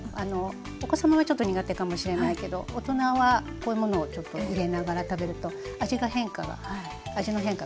お子様はちょっと苦手かもしれないけど大人はこういうものをちょっと入れながら食べると味が変化が味の変化が楽しめますね。